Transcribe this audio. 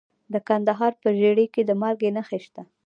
د کندهار په ژیړۍ کې د مالګې نښې شته.